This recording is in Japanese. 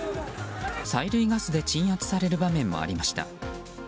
催涙ガスで鎮圧される場面もありました。